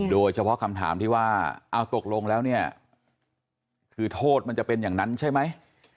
โดยเฉพาะคำถามที่ว่าเอาตกลงแล้วเนี่ยคือโทษมันจะเป็นอย่างนั้นใช่ไหม